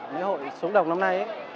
lễ hội xuống đồng năm nay